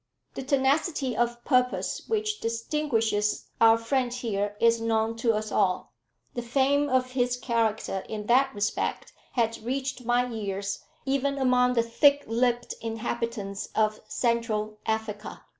The tenacity of purpose which distinguishes our friend here is known to us all. The fame of his character in that respect had reached my ears even among the thick lipped inhabitants of Central Africa."